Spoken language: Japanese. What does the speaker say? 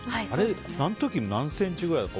あの時何センチくらいだった？